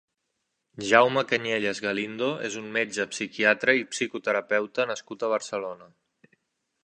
Jaume Cañellas Galindo és un metge psiquiatra i psicoterapeuta nascut a Barcelona.